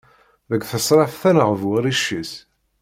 Deg tesraft ar neγbu rric-is!